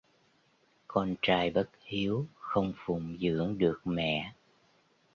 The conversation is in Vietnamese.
Con trai bất hiếu không phụng dưỡng được mẹ